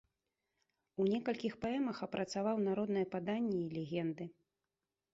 У некалькіх паэмах апрацаваў народныя паданні і легенды.